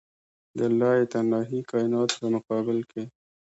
د لایتناهي کایناتو په مقابل کې.